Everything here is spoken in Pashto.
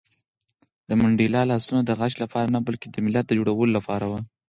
د منډېلا لاسونه د غچ لپاره نه، بلکې د ملت د جوړولو لپاره وو.